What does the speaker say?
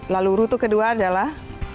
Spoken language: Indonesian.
lalu rute kedua adalah